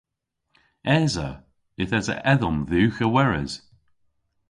Esa. Yth esa edhom dhywgh a weres.